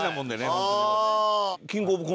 ホントに。